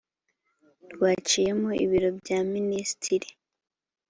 rwaciyemo ibiro bya minisitiri